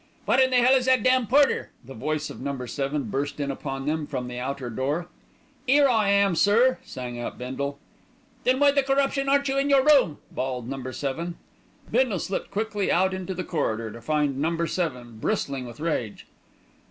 "Where the hell is that damn porter?" the voice of Number Seven burst in upon them from the outer corridor. "'Ere I am, sir," sang out Bindle. "Then why the corruption aren't you in your room?" bawled Number Seven. Bindle slipped quickly out into the corridor to find Number Seven bristling with rage.